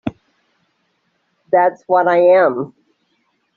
That's what I am.